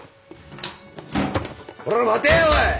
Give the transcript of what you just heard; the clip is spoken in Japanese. こら待ておい！